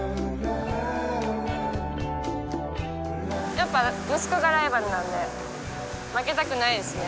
やっぱ息子がライバルなんで負けたくないですね。